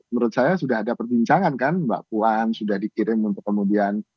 menurut saya sudah ada perbincangan kan mbak puan sudah dikirim untuk kemudian